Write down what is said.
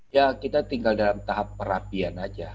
ya kita tinggal dalam tahap perapian aja